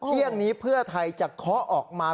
เที่ยงนี้เพื่อไทยจะเคาะออกมา